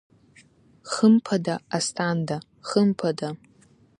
Хымԥада, Асҭанда, хымԥада…